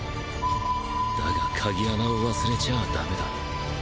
だが鍵穴を忘れちゃあダメだ。